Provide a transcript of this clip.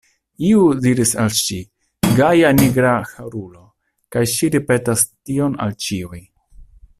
Iu diris al ŝi: gaja nigraharulo, kaj ŝi ripetas tion al ĉiuj.